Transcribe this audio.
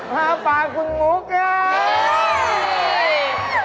ปาปาคุณหมูกา